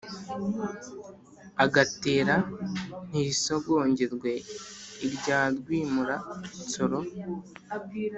agatera ntirisongerwe irya rwimura-nsoro.